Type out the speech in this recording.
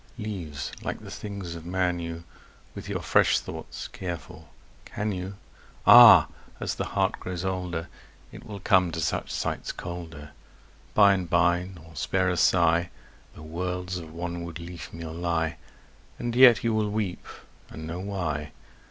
Leáves, like the things of man, you With your fresh thoughts care for, can you? Áh! ás the heart grows older It will come to such sights colder By and by, nor spare a sigh Though worlds of wanwood leafmeal lie; And yet you wíll weep and know why.